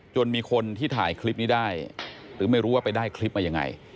มีคนที่ถ่ายคลิปนี้ได้หรือไม่รู้ว่าไปได้คลิปมายังไง